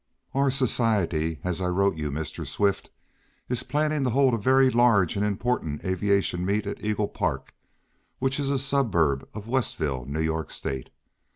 "Our society, as I wrote you, Mr. Swift, is planning to hold a very large and important aviation meet at Eagle Park, which is a suburb of Westville, New York State.